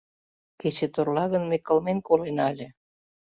Кече торла гын, ме кылмен колена ыле.